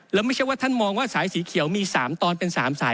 แล้วไม่ใช่ว่าท่านมองว่าสายสีเขียวมี๓ตอนเป็น๓สาย